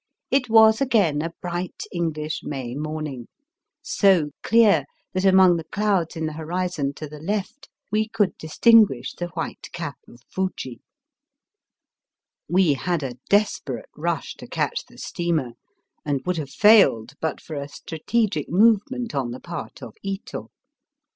It was again a bright English May morning, so clear that among the clouds in the horizon to the left we could distinguish the white cap of Fuji. We had a desperate rush to catch the steamer, and would have failed but for a Digitized by VjOOQIC 278 BAST BY WEST. strategic movement on the part of Ito.